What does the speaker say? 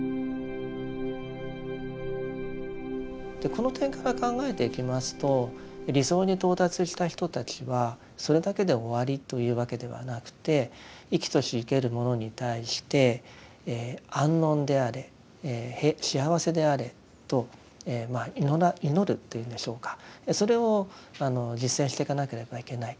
この点から考えていきますと理想に到達した人たちはそれだけで終わりというわけではなくて生きとし生けるものに対して安穏であれ幸せであれと祈るというんでしょうかそれを実践していかなければいけない。